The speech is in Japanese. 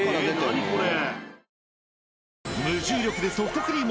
何これ！